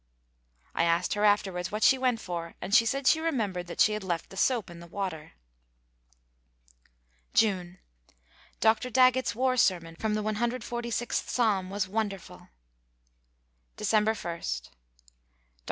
I asked her afterwards what she went for and she said she remembered that she had left the soap in the water. June. Dr. Daggett's war sermon from the 146th Psalm was wonderful. December 1. Dr.